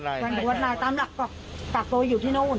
ใช่หรอแฟนเขาวัดในตามหลักปากตัวอยู่ที่นู่น